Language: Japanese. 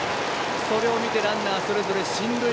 それを見てランナーそれぞれ進塁。